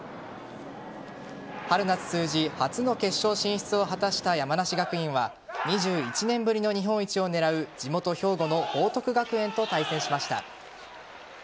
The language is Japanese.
春夏通じ初の決勝進出を果たした山梨学院は２１年ぶりの日本一を狙う地元・兵庫の報徳学園と対戦しました。